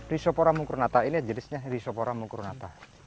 risopora mungkurnata ini jenisnya risopora mungkurnata